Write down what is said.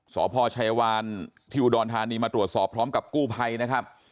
สพชัยวานที่อุดรธานีมาตรวจสอบพร้อมกับกู้ภัยนะครับ